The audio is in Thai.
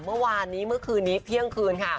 เมื่อวานนี้เมื่อคืนนี้เพี่ยงคืน